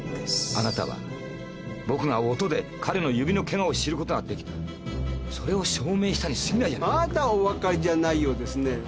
あなたは「僕が音で彼の指のケガを知ることができた」それを証明したにすぎないじゃないか。まだお分かりじゃないようですね。